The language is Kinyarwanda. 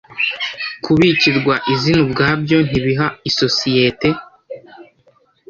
kubikirwa izina ubwabyo ntibiha isosiyete